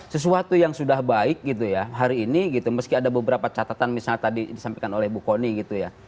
sesuatu yang sudah baik gitu ya hari ini gitu meski ada beberapa catatan misalnya tadi disampaikan oleh bu kony gitu ya